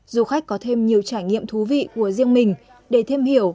du khách có thêm nhiều trải nghiệm thú vị của riêng mình để thêm hiểu